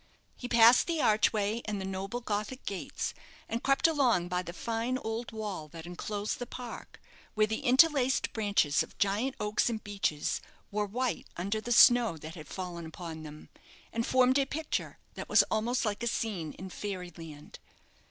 He passed the archway and the noble gothic gates, and crept along by the fine old wall that enclosed the park, where the interlaced branches of giant oaks and beeches were white under the snow that had fallen upon them, and formed a picture that was almost like a scene in Fairyland.